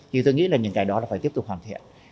thì tôi nghĩ những cái đó phải tiếp tục hoàn thiện